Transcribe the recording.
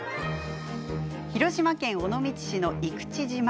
広島県尾道市の生口島。